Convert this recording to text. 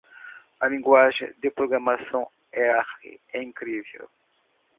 A linguagem de programação R, é incrível!